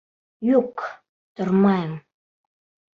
Юҡ, тормайым!